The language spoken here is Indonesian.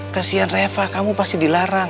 kesian reva kamu pasti dilarang